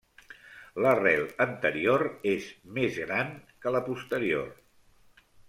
L'arrel anterior és més gran que la posterior.